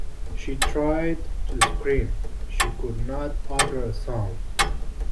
She tried to scream; she could not utter a sound.